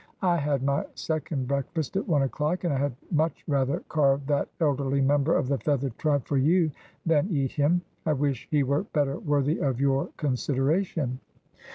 I had my second breakfast at one o'clock, and I had much rather carve that elderly member of the feathered tribe for you than eat him. I wish he were better worthy of your consideration.'